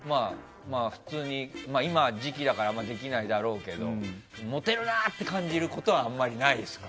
今は時期だからあんまりできないだろうけどモテるな！って感じることはあんまりないですか？